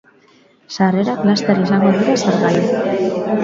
Sarrerak laster izango dira salgai.